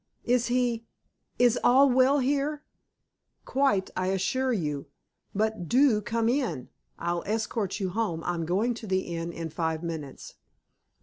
"Is he—is all well here?" "Quite, I assure you. But do come in. I'll escort you home. I'm going to the inn in five minutes."